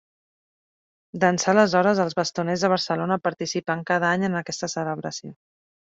D'ençà d'aleshores, els Bastoners de Barcelona participen cada any en aquesta celebració.